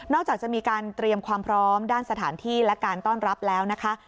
จากจะมีการเตรียมความพร้อมด้านสถานที่และการต้อนรับแล้วนะคะ